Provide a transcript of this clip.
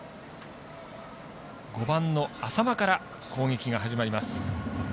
５番の淺間から攻撃が始まります。